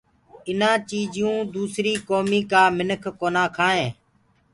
ايٚنآ چيٚجيئونٚ دوسريٚ ڪوميٚ ڪا مِنک ڪونآ کآئينٚ۔